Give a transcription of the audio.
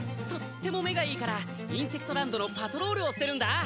とっても目がいいからインセクトランドのパトロールをしてるんだ。